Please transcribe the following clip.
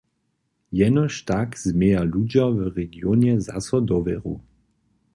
Jenož tak změja ludźo w regionje zaso dowěru.